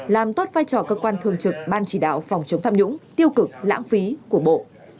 làm tốt vai trò cơ quan thường trực ban chỉ đạo phòng chống tham nhũng tiêu cực lãng phí của bộ